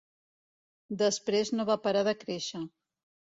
Després no va parar de créixer.